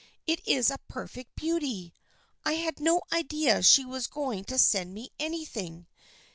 " It is a perfect beauty. I had no idea she was going to send me anything.